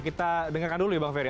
kita dengarkan dulu ya bang ferry